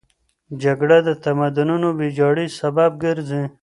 جګړه د تمدنونو د ویجاړۍ سبب ګرځي.